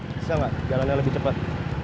bisa nggak jalannya lebih cepat